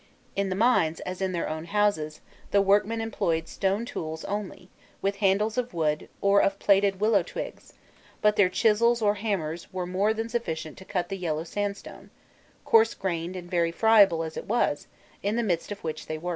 In the mines, as in their own houses, the workmen employed stone tools only, with handles of wood, or of plaited willow twigs, but their chisels or hammers were more than sufficient to cut the yellow sandstone, coarse grained and very friable as it was, in the midst of which they worked.